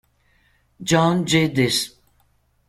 John Geddes